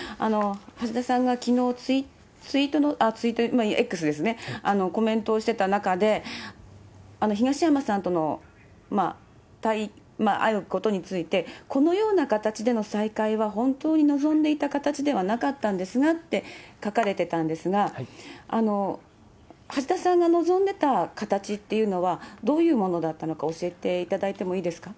橋田さんがきのう、Ｘですね、コメントをしてた中で、東山さんとの会うことについて、このような形での再会は本当に望んでいた形ではなかったんですがって書かれてたんですが、橋田さんが望んでた形っていうのは、どういうものだったのか、教えていただいてもいいですか？